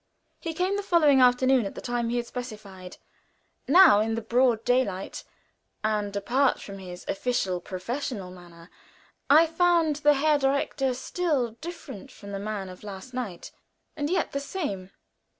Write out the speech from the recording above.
He came the following afternoon, at the time he had specified. Now, in the broad daylight, and apart from his official, professional manner, I found the Herr Direktor still different from the man of last night, and yet the same.